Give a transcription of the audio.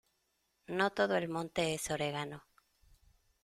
No todo el monte es orégano.